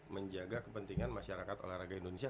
menjaga kepentingan masyarakat olahraga indonesia